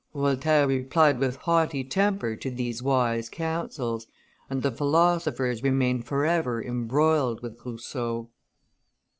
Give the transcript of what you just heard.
Voltaire replied with haughty temper to these wise counsels, and the philosophers remained forever embroiled with Rousseau.